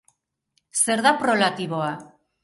Zer da prolatiboa?